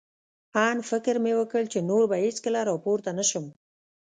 آن فکر مې وکړ، چې نور به هېڅکله را پورته نه شم.